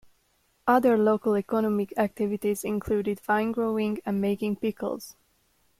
Other local economic activities included wine growing and making pickles.